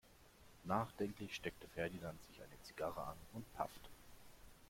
Nachdenklich steckte Ferdinand sich eine Zigarre an und paffte.